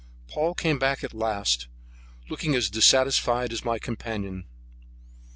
Paul came back at last, looking as dissatisfied as my companion.